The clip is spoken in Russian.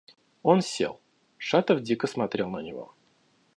Он сел. Шатов дико смотрел на него.